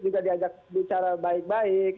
juga diajak bicara baik baik